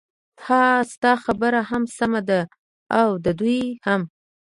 ههه ستا خبره هم سمه ده او د دوی هم.